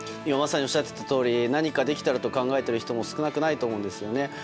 まさにおっしゃってたとおり何かできたらと考えている人も少なくないと思うんですよね。